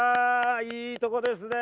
いいところですね。